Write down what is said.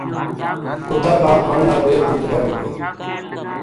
کُتاں کا آن نال ویہ بھُوت غیب ہو گیا